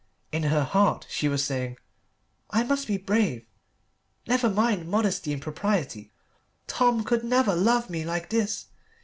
In her heart she was saying, "I must be brave. Never mind modesty and propriety. Tom could never love me like this.